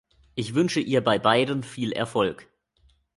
Ich wünsche ihr bei beiden viel Erfolg.